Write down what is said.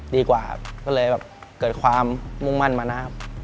ดีกว่าครับก็เลยแบบเกิดความมุ่งมั่นมานะครับ